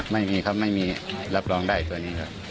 ไม่มีครับไม่มีรับรองได้ตัวนี้ครับ